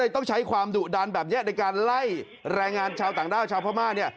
ต้องใช้ความดุดันแบบนี้ในการไล่แรงงานชาวต่างด้าวชาวพม่าเนี่ย